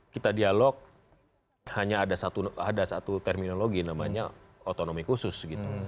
kita dialog hanya ada satu terminologi namanya otonomi khusus gitu